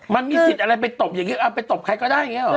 มันมีสิทธิ์อะไรไปตบอย่างนี้เอาไปตบใครก็ได้อย่างนี้หรอ